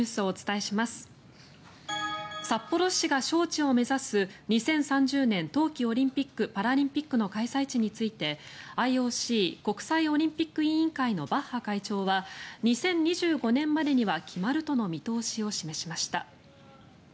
札幌市が招致を目指す２０３０年冬季オリンピック・パラリンピックの開催地についてＩＯＣ・国際オリンピック委員会のバッハ会長は２０２５年までには決まるとの見通しを示しました。